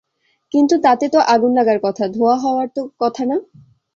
কিন্তু তাতে তো আগুন লাগার কথা, ধোয়া হওয়ার তো কথা না।